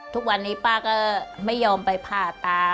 ทุกวันนี้ป้าก็ไม่ยอมไปผ่าตา